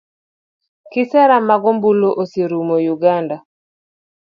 Kisera mag ombulu oserumo uganda